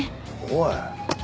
おい！